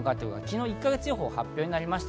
昨日、１か月予報が発表されました。